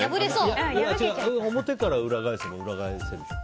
表から裏返せば裏返せるじゃん。